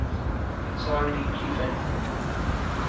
It's all deeply felt.